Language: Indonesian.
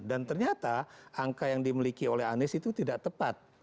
dan ternyata angka yang dimiliki oleh anies itu tidak tepat